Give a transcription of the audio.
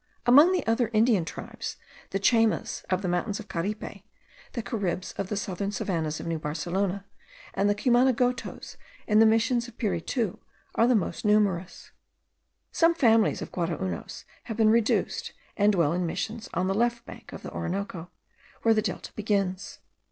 Among the other Indian tribes, the Chaymas of the mountains of Caripe, the Caribs of the southern savannahs of New Barcelona, and the Cumanagotos in the Missions of Piritu, are most numerous. Some families of Guaraunos have been reduced and dwell in Missions on the left bank of the Orinoco, where the Delta begins.